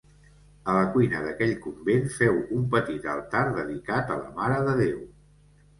A la cuina d'aquell convent feu un petit altar dedicat a la Mare de Déu.